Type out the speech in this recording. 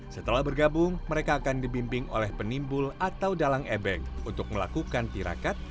setelah bergabung mereka akan dibimbing oleh penimbul atau dalang ebek untuk melakukan tirakat